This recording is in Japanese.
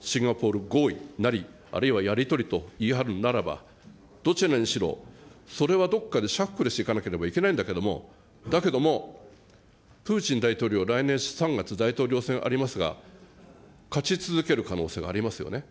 シンガポール合意なり、あるいはやり取りと言い張るんならば、どちらにしろそれはどこかでシャッフルしていかなければいけないんだけれども、だけども、プーチン大統領は来年３月、大統領選ありますが、勝ち続ける可能性はありますよね。